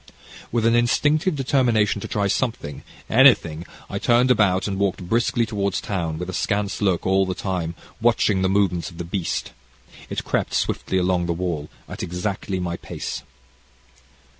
"With an instinctive determination to try something anything, I turned about and walked briskly towards town with askance look, all the time, watching the movements of the beast. It crept swiftly along the wall, at exactly my pace.